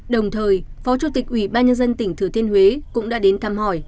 đồng thời phó chủ tịch ủy ban nhân dân tỉnh thừa thiên huế cũng đã đến thăm hỏi